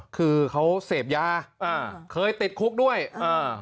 คือเขาเสพยาอ่าเคยติดคุกด้วยอ่า